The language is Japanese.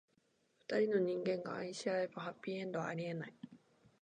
二人の人間が愛し合えば、ハッピーエンドはありえない。